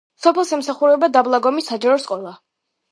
სოფელს ემსახურება დაბლაგომის საჯარო სკოლა.